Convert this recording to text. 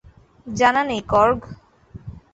জানা নেই, কর্গ।